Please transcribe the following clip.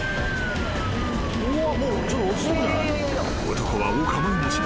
［男はお構いなし。